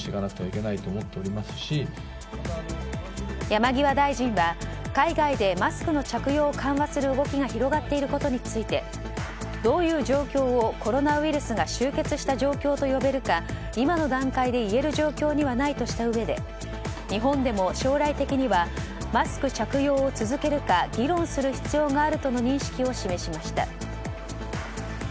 山際大臣は海外でマスクの着用を緩和する動きが広がっていることについてどういう状況をコロナウイルスが終結した状況と呼べるか今の段階で言える状況にはないとしたうえで日本でも、将来的にはマスク着用を続けるか議論する必要があるとの認識を示しました。